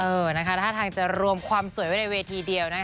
ท่าทางจะรวมความสวยไว้ในเวทีเดียวนะคะ